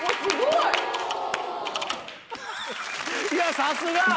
いやさすが！